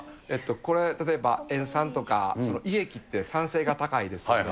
これ、例えば塩酸とか、胃液って酸性が高いですよね。